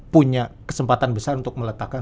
punya kesempatan besar untuk meletakkan